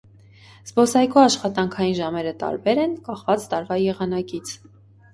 Զբոսայգու աշխատանքային ժամերը տարբեր են՝ կախված տարվա եղանակից։